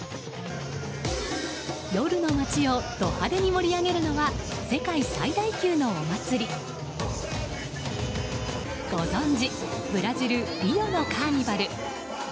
夜の街をド派手に盛り上げるのは世界最大級のお祭りご存じ、ブラジルリオのカーニバル。